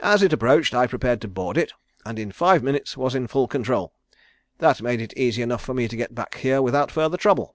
As it approached I prepared to board it, and in five minutes was in full control. That made it easy enough for me to get back here without further trouble.